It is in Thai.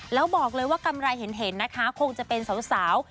แล้วบอกเลยว่ากำไรเห็นนะคะคงจะเป็นสาว